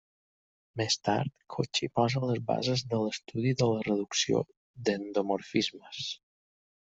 Més tard, Cauchy posa les bases de l'estudi de la reducció d'endomorfismes.